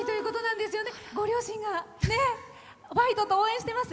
ご両親が「ファイト」と応援してます。